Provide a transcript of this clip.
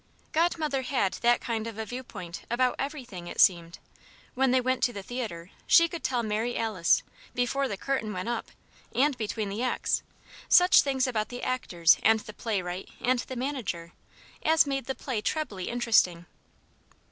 Godmother had that kind of a viewpoint about everything, it seemed. When they went to the theatre, she could tell Mary Alice before the curtain went up, and between the acts such things about the actors and the playwright and the manager, as made the play trebly interesting.